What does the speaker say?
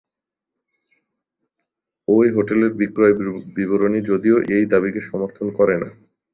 ঐ হোটেলের বিক্রয় বিবরণী যদিও এই দাবিকে সমর্থন করে না।